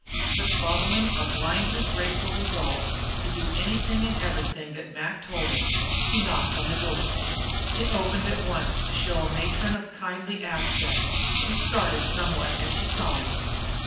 But following a blindly grateful resolve to do anything and everything that Mac had told him, he knocked on the door. It opened at once to show a stout matron of kindly aspect, who started somewhat as she saw him.